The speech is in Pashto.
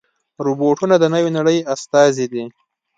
روبوټونه د نوې نړۍ استازي دي.